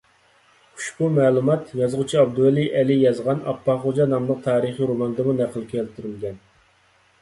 ئۇشبۇ مەلۇمات، يازغۇچى ئابدۇۋەلى ئەلى يازغان «ئاپاق خوجا» ناملىق تارىخىي روماندىمۇ نەقىل كەلتۈرۈلگەن.